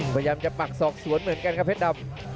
พยายามจะปักศอกสวนเหมือนกันครับเพชรดำ